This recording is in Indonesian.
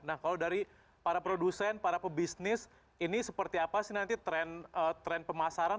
nah kalau dari para produsen para pebisnis ini seperti apa sih nanti tren pemasaran